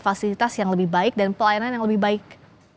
fasilitas yang lebih baik dan pelayanan yang lebih baik